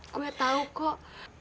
gue tau kok